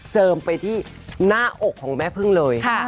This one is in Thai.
เจิมไปที่หน้าอกของแม่พึ่งเลย